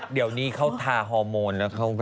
ดีนี้เขาท้าฮอร์โมน